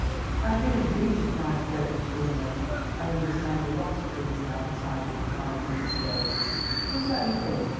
"I do, indeed," replied Kirkwood grimly. "I understand a lot of things now that I didn't five minutes ago. Please let me think..."